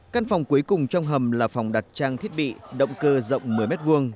căn phòng cuối cùng trong hầm là phòng đặt trang thiết bị động cơ rộng một mươi m hai